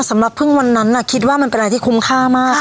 สำหรับพึ่งวันนั้นคิดว่ามันเป็นอะไรที่คุ้มค่ามาก